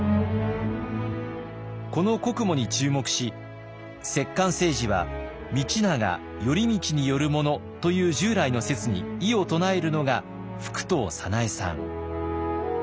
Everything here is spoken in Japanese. この国母に注目し摂関政治は道長頼通によるものという従来の説に異を唱えるのが服藤早苗さん。